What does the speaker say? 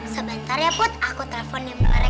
sebentar ya put aku teleponin mereka